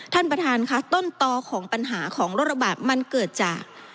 ท่านประธานค่ะต้นต่อของปัญหาของโรคระบาดมันเกิดจาก